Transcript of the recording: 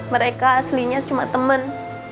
mereka aslinya cuma temen